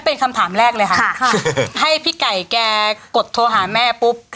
เป็นคำถามแรกเลยค่ะให้พี่ไก่แกกดโทรหาแม่ปุ๊บ